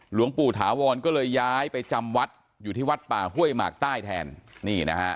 หลวงปู่ถาวรก็เลยย้ายไปจำวัดอยู่ที่วัดป่าห้วยหมากใต้แทนนี่นะฮะ